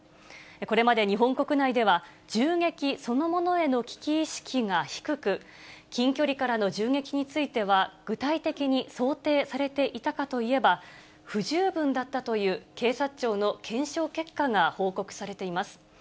これまで日本国内では、銃撃そのものへの危機意識が低く、近距離からの銃撃については、具体的に想定されていたかといえば、不十分だったという、警察庁の検証結果が報告されています。